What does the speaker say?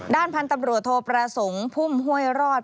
ด้านพันธุ์ตำรวจโทประสงค์พุ่มห้วยรอด